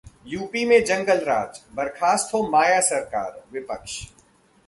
UP में जंगलराज, बर्खास्त हो माया सरकार: विपक्ष